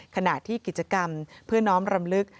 ขณะที่กิจกรรมเพื่อน้อมรำลึก